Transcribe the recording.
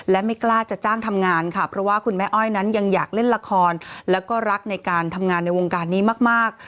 และไม่กล้าจะจ้างทำงานค่ะเพราะว่าคุณแม่อ้อยนั้นยังอยากเล่นละครแล้วก็รักในการทำงานในวงการนี้มาก